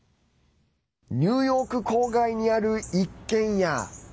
ニューヨーク郊外にある、一軒家。